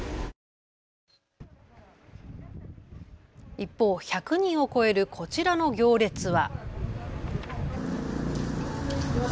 一方、１００人を超えるこちらの行列は。